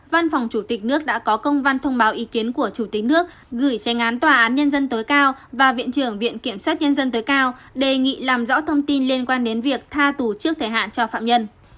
văn phòng chủ tịch nước đã có công văn thông báo ý kiến của chủ tịch nước gửi xe án tòa án nhân dân tối cao và viện trưởng viện kiểm sát nhân dân tối cao đề nghị làm rõ thông tin liên quan đến việc tha tù trước thời hạn cho phạm nhân